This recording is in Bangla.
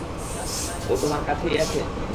ও তোমার কাছেই আছে?